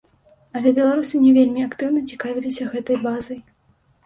Але беларусы не вельмі актыўна цікавіліся гэтай базай.